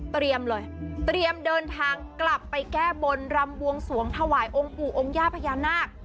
เลยเตรียมเดินทางกลับไปแก้บนรำบวงสวงถวายองค์ปู่องค์ย่าพญานาค